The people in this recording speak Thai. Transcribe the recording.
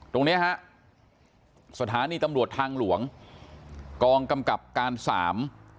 ตรงเนี้ยฮะสถานีตำรวจทางหลวงกองกำกับการสาม